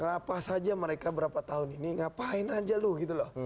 kenapa saja mereka berapa tahun ini ngapain aja lu gitu loh